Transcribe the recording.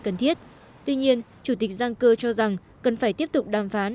cần thiết tuy nhiên chủ tịch sanker cho rằng cần phải tiếp tục đàm phán